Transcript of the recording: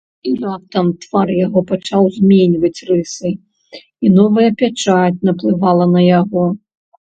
І раптам твар яго пачаў зменьваць рысы, і новая пячаць наплывала на яго.